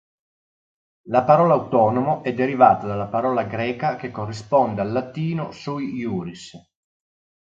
La parola "autonomo" è derivata dalla parola greca che corrisponde al latino "sui iuris".